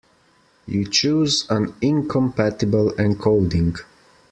You chose an incompatible encoding.